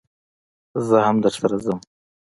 زه هم درسره ځم